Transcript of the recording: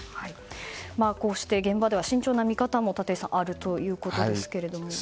こうして現場では慎重な見方もあるということですけども。